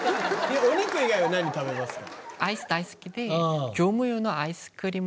お肉以外は何食べますか？